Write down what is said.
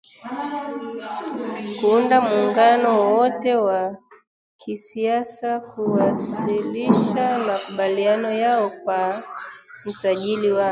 kuunda muungano wowote wa kisiasa kuwasilisha makubaliano yao kwa msajili wa